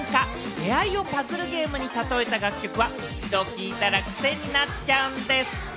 出会いをパズルゲームにたとえた楽曲は一度聞いたら癖になっちゃうんです。